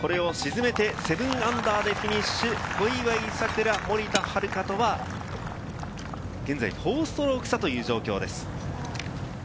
−７でフィニッシュ、小祝さくら、森田遥とは現在、４ストローク差という状況です。